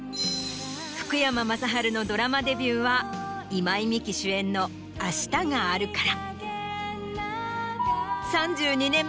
福山雅治のドラマデビューは今井美樹主演の『あしたがあるから』。